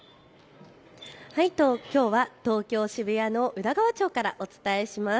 きょうは東京渋谷の宇田川町からお伝えします。